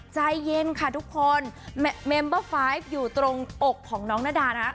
ใจเย็นค่ะทุกคนเมมเบอร์ไฟล์อยู่ตรงอกของน้องนาดานะคะ